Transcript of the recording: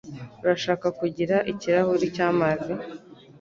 Urashaka kugira ikirahuri cyamazi?